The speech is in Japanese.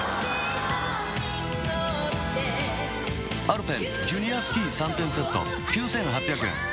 アルペンジュニアスキー３点セット９８００円。